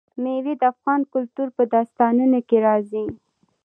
مېوې د افغان کلتور په داستانونو کې راځي.